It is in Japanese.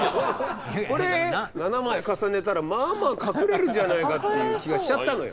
これ７枚重ねたらまあまあ隠れるんじゃないかっていう気がしちゃったのよ。